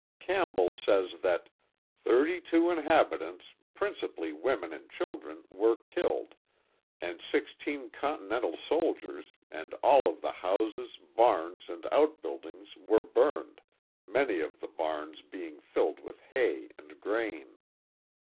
Campbell says that: Thirty two inhabitants, principally women and children, were killed, and sixteen Continental soldiers, and all of the houses, barns, and outbuildings were burned, many of the barns being filled with hay and grain."